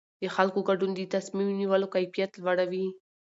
د خلکو ګډون د تصمیم نیولو کیفیت لوړوي